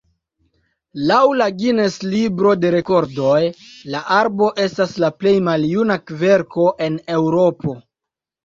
Laŭ la Guinness-libro de rekordoj la arbo estas la plej maljuna kverko en Eŭropo.